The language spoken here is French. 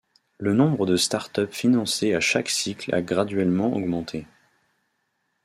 Le nombre de startups financées à chaque cycle a graduellement augmenté.